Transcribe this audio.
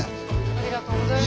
ありがとうございます。